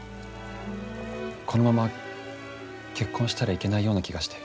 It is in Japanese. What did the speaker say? このまま結婚したらいけないような気がして。